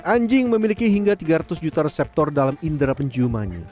anjing memiliki hingga tiga ratus juta reseptor dalam indera penciumannya